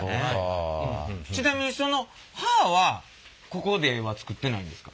ちなみにその刃はここでは作ってないんですか？